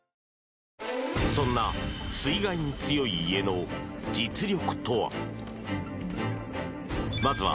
そんな水害に強い家の実力とは？